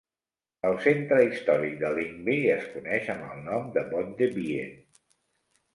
El centre històric de Lingby es coneix amb el nom de Bondebyen.